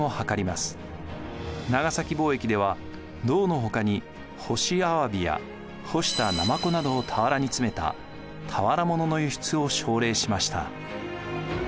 長崎貿易では銅のほかに干しアワビや干したナマコなどを俵に詰めたこのころ